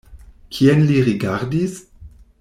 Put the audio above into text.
Kien li rigardis?